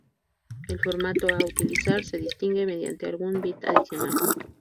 El formato a utilizar se distingue mediante algún bit adicional.